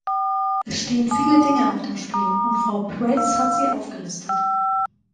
Es stehen viele Dinge auf dem Spiel, und Frau Prets hat sie aufgelistet.